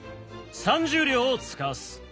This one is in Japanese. ３０両をつかわす。